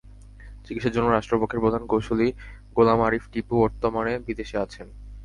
চিকিৎসার জন্য রাষ্ট্রপক্ষের প্রধান কৌঁসুলি গোলাম আরিফ টিপু বর্তমানে বিদেশে আছেন।